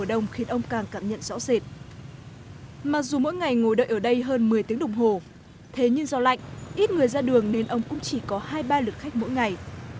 ông đang cảm nhận gió rệt mặc dù mỗi ngày ngồi đợi ở đây hơn một mươi tiếng đồng hồ thế nhưng do lạnh ít người ra đường nên ông cũng chỉ có hai ba lượt khách mỗi ngày